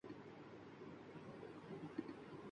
budget میں tax دہندگان پر بوجھ نہ ڈالنے کا اعلان